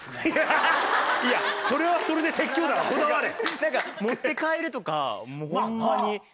それはそれで説教だわこだわれ。